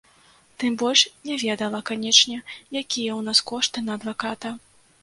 Тым больш не ведала, канечне, якія ў нас кошты на адваката.